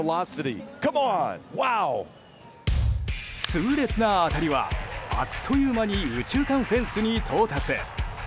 痛烈な当たりはあっという間に右中間フェンスに到達。